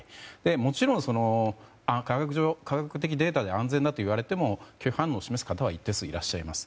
もちろん科学的データで安全だといわれても拒否反応を示す方も一定数いらっしゃいます。